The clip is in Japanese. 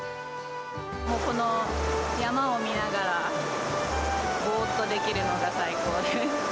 この山を見ながら、ぼーっとできるのが最高です。